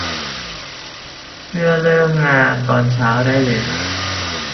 เพื่อเริ่มงานตอนเช้าได้เลย